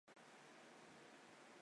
邓弘的哥哥邓骘等人仍辞不受。